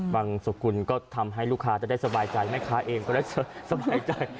สุกุลก็ทำให้ลูกค้าจะได้สบายใจแม่ค้าเองก็ได้สบายใจ